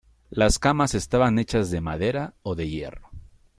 Las camas estaban hechas de madera o de hierro.